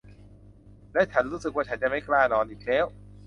ฉันรู้สึกว่าฉันจะไม่กล้านอนอีกแล้ว !